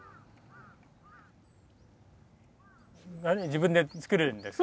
自分で作るんですか？